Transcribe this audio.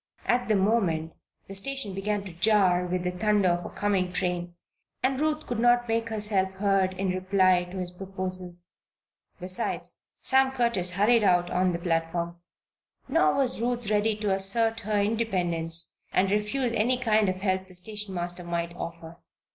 At the moment the station began to jar with the thunder of a coming train and Ruth could not make herself heard in reply to his proposal. Besides, Sam Curtis hurried out on the platform. Nor was Ruth ready to assert her independence and refuse any kind of help the station master might offer.